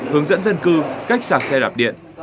hướng dẫn dân cư cách sạc xe đạp điện